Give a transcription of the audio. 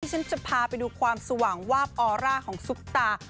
ฉันจะพาไปดูความสว่างวาบออร่าของซุปตา